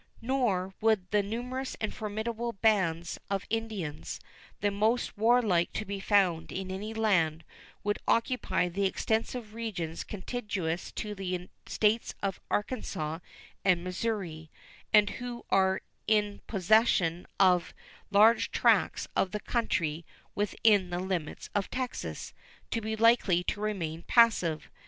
Nor would the numerous and formidable bands of Indians the most warlike to be found in any land which occupy the extensive regions contiguous to the States of Arkansas and Missouri, and who are in possession of large tracts of country within the limits of Texas, be likely to remain passive.